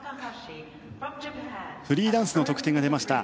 フリーダンスの得点が出ました。